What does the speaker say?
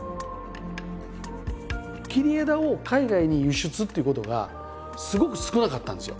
切り枝を海外に輸出っていうことがすごく少なかったんですよ。